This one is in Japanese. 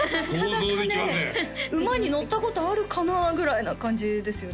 想像できません馬に乗ったことあるかな？ぐらいな感じですよね